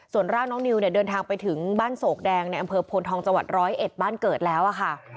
ส่วนร่างน้องนิวเนี่ยเดินทางไปถึงบ้านโศกแดงในอำเภอโพนทองจังหวัดร้อยเอ็ดบ้านเกิดแล้วค่ะ